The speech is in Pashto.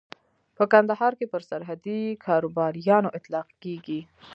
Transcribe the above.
په کندهار کې پر سرحدي کاروباريانو اطلاق کېږي.